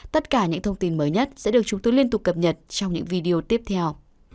tất cả những thông tin mới nhất sẽ được chúng tôi liên tục cập nhật trong những video tiếp theo